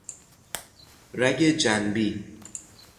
رگ جنبی